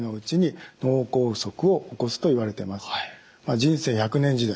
人生１００年時代